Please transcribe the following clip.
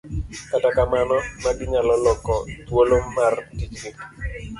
kata kamano, magi nyalo loko thuolo mar tijgi